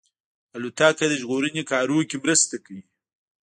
الوتکه د ژغورنې کارونو کې مرسته کوي.